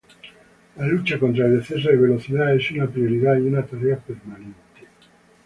La lucha contra el exceso de velocidad es una prioridad y una tarea permanente.